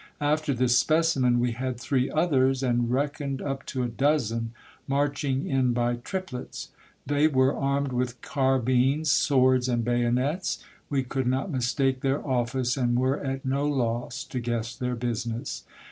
After this specimen we had three others, and reckoned up to a dozen, marching in by triplets. They were armed with carbines, swords, and bayonets. We could not mistake their office, and were at no loss to guess their business.